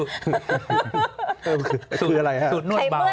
คืออะไรครับ